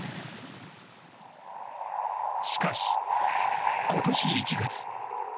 しかし、今年１月。